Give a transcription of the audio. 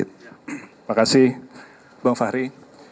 terima kasih bang fahri